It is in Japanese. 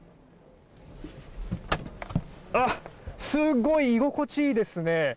すごい居心地いいですね。